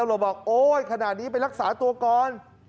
บอกโอ๊ยขนาดนี้ไปรักษาตัวก่อน